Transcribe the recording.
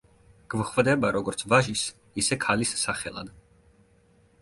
გვხვდება როგორც ვაჟის, ისე ქალის სახელად.